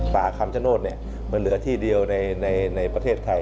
คำชโนธมันเหลือที่เดียวในประเทศไทย